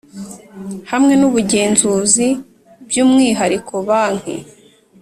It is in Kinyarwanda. Hamwe n ubugenzuzi by umwihariko banki